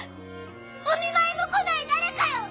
お見舞いも来ない誰かの！